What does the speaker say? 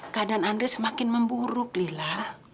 keadaan anda semakin memburuk lila